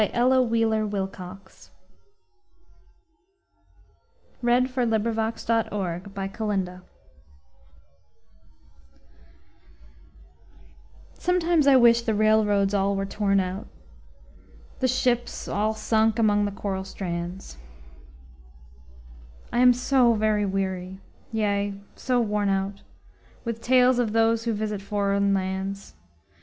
Ella Wheeler Wilcox The Traveled Man SOMETIMES I wish the railroads all were torn out, The ships all sunk among the coral strands. I am so very weary, yea, so worn out, With tales of those who visit foreign lands.